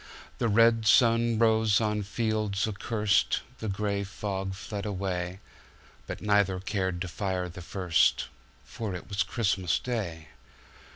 The red sun rose on fields accurst, The gray fog fled away; But neither cared to fire the first, For it was Christmas Day!